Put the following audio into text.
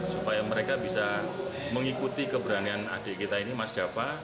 supaya mereka bisa mengikuti keberanian adik kita ini mas dava